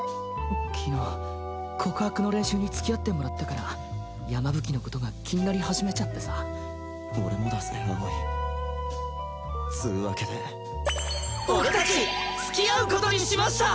昨日告白の練習につきあってもらってから山吹のことが気になり始めちゃってさ俺もだぜ蒼井つーわけで俺達つきあうことにしました！